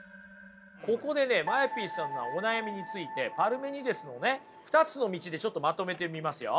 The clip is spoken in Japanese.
ここでＭＡＥＰさんのお悩みについてパルメニデスの２つの道でまとめてみますよ。